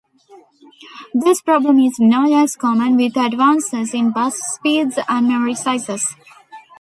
This problem is not as common with advances in bus speeds and memory sizes.